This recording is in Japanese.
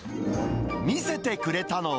見せてくれたのは。